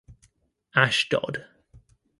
Ashdod.